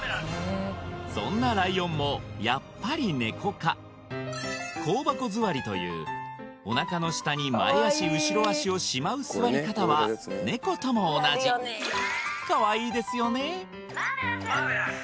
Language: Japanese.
そんなライオンもやっぱりネコ科というおなかの下に前足後ろ足をしまう座り方はネコとも同じかわいいですよね！